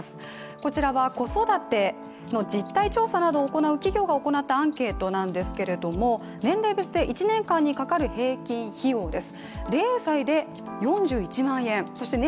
こちらは子育ての実態調査などを行う企業が行ったアンケートなんですけれども、年齢別で１年間にかかる平均費用です。